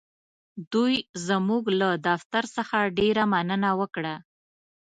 دوی زموږ له دفتر څخه ډېره مننه وکړه.